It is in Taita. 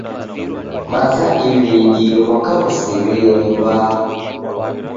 Maza diriidie mwaka ghusirie ni mbaa.